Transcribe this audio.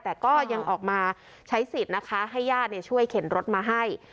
แต่ก็ยังออกมาใช้สิทธิ์นะคะให้ญาติช่วยเข็นรถมาให้